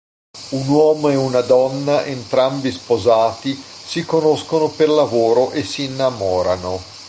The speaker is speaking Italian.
Un uomo e una donna, entrambi sposati, si conoscono per lavoro e si innamorano.